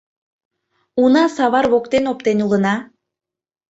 — Уна савар воктен оптен улына.